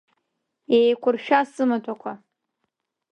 Еиқәыршәа сымаҭәақәа!